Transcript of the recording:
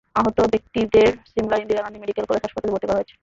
আহত ব্যক্তিদের সিমলার ইন্দিরা গান্ধী মেডিকেল কলেজ হাসপাতালে ভর্তি করা হয়েছে।